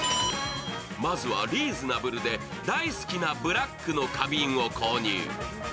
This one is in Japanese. まずはリーズナブルで大好きなブラックの花瓶を購入。